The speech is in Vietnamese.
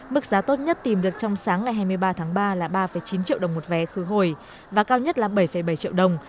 mức giá tốt nhất tìm được trong sáng ngày hai mươi ba tháng ba là ba chín triệu đồng một vé khứ hồi và cao nhất là bảy bảy triệu đồng